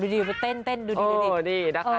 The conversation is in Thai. ดูดีเพื่อเต้นดูดีดีนะคะ